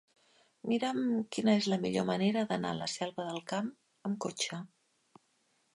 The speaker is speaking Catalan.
Mira'm quina és la millor manera d'anar a la Selva del Camp amb cotxe.